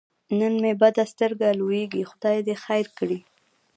نن مې بده سترګه لوېږي خدای دې خیر کړي.